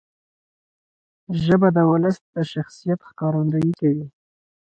ژبه د ولس د شخصیت ښکارندویي کوي.